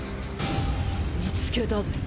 見つけたぜ。